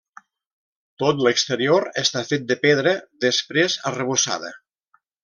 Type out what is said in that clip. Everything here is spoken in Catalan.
Tot l'exterior està fet de pedra després arrebossada.